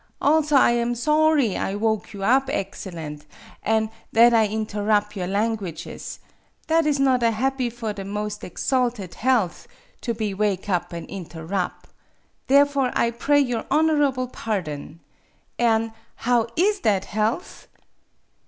Also, I am sawry I woke you up, excellent, an' that I interrup' your languages. That is not a happy for the most exalted health to be wake up an' interrup'. Therefore, I pray your honorable pardon. An' how is that health?"